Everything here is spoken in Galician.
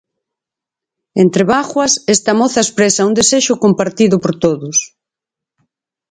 Entre bágoas esta moza expresa un desexo compartido por todos.